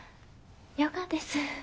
ヨガです。